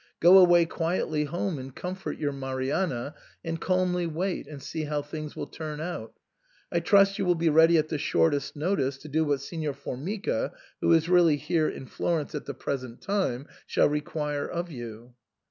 Go away quietly home and comfort your Marianna, and calmly wait and see how things will turn out I trust you will be ready at the shortest notice to do what Signor Formica, who is really here in Flor ence at the present time, shall require of you."